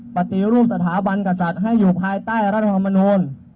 ปฏิรูปสถาบันกษัตริย์ให้อยู่ภายใต้รัฐธรรมนูล